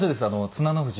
綱ノ富士？